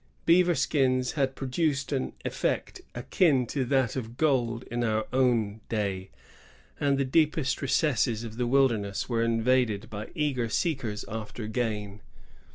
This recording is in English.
Beaver skins had produced an effect akin to that of gold in our own day, and the deep est recesses of the wUdemess were invaded by eager seekers after gain.